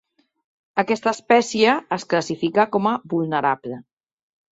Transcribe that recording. Aquesta espècie es classifica com a vulnerable.